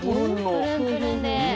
プルンプルンで。